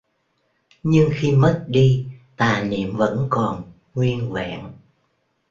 nhưng khi mất đi, tà niệm vẫn còn nguyên vẹn